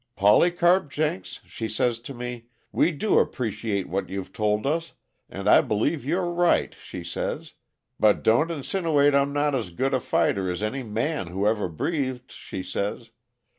"'Polycarp Jenks,' she says to me, 'we do appreciate what you've told us, and I believe you're right,' she says. 'But don't insiniwate I'm not as good a fighter as any man who ever breathed,' she says.